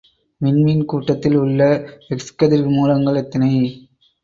விண்மீன் கூட்டத்தில் உள்ள எக்ஸ் கதிர் மூலங்கள் எத்தனை?